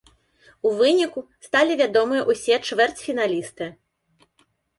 У выніку, сталі вядомыя ўсе чвэрцьфіналісты.